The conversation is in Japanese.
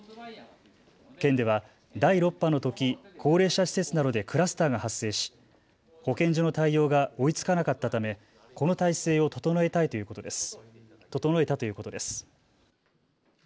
県では第６波のとき高齢者施設などでクラスターが発生し保健所の対応が追いつかなかったためこの体制を整えたということです。